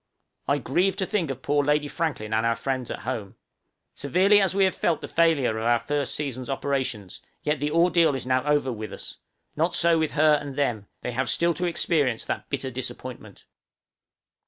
I grieve to think of poor Lady Franklin and our friends at home. Severely as we have felt the failure of our first season's operations, yet the ordeal is now over with us: not so with her and them, they have still to experience that bitter disappointment.